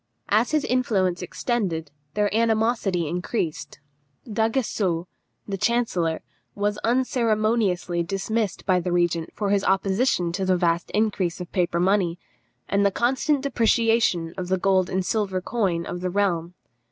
As his influence extended, their animosity increased. D'Aguesseau, the chancellor, was unceremoniously dismissed by the regent for his opposition to the vast increase of paper money, and the constant depreciation of the gold and silver coin of the realm.